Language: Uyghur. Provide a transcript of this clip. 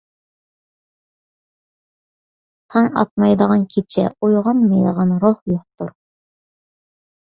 تاڭ ئاتمايدىغان كېچە، ئويغانمايدىغان روھ يوقتۇر.